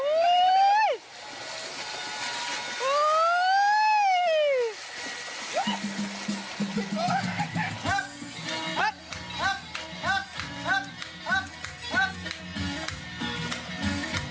พักพักพักพักพักพักพัก